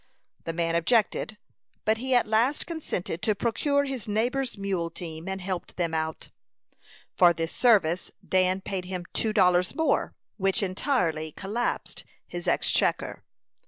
The man objected; but he at last consented to procure his neighbor's mule team and help them out. For this service Dan paid him two dollars more, which entirely collapsed his exchequer.